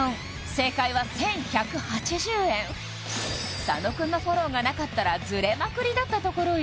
正解は１１８０円佐野くんのフォローがなかったらズレまくりだったところよ